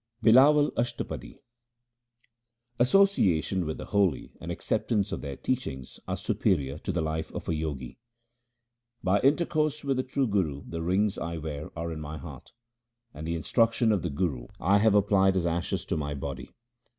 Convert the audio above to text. BlLAWAL ASHTAPADI Association with the holy and acceptance of their teachings are superior to the life of a Jogi :— By intercourse with the true Guru the rings I wear are in my heart, and the instruction of the Guru I have applied as ashes to my body.